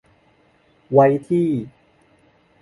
ไว้ที่